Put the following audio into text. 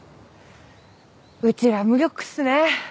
うちら無力っすね。